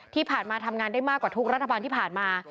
ที่ผ่านมาทำงานได้มากกว่าทุกรัฐบาลที่ผ่านมา